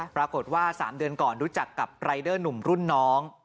ปรากฏว่า๓เดือนก่อนรู้จักกับรายเดอร์หนุ่มรุ่นน้อง